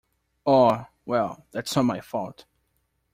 Oh, well, that's not my fault.